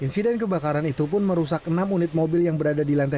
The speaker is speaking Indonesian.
insiden kebakaran itu pun merusak enam unit mobil yang berada di lantai tiga